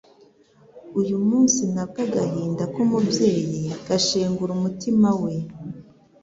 uyu munsi nabwo agahinda k'umubyeyi gashengura umutima we.